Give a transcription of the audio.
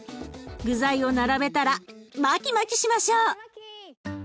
具材を並べたらマキマキしましょう！